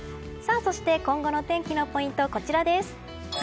そして、今後の天気のポイントこちらです。